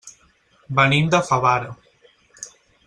Venim de Favara.